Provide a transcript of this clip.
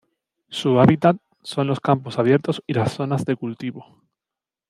Su hábitat son los campos abiertos y las zonas de cultivo.